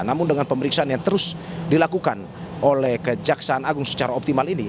namun dengan pemeriksaan yang terus dilakukan oleh kejaksaan agung secara optimal ini